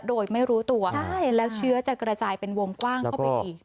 โดยไม่รู้ตัวใช่แล้วเชื้อจะกระจายเป็นวงกว้างเข้าไปอีก